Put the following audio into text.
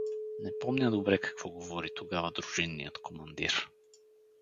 Не помня добре какво говори тогава дружинният командир.